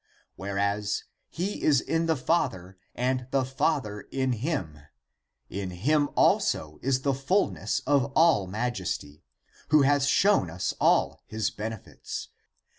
^^ Whereas ' he is in the Father and the Father in him ';^^ in him also is the fulness of all majesty, who has shown us all his benefits.